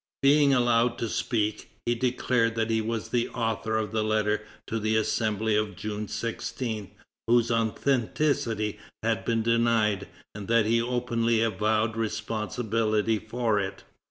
Being allowed to speak, he declared that he was the author of the letter to the Assembly of June 16, whose authenticity had been denied, and that he openly avowed responsibility for it.